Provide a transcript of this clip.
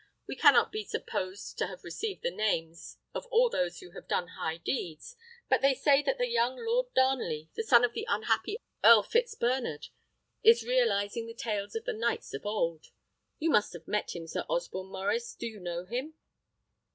We cannot be supposed to have received the names of all those who have done high deeds; but they say that the young Lord Darnley, the son of the unhappy Earl Fitzbernard, is realizing the tales of the knights of old. You must have met him, Sir Osborne Maurice. Do you know him?"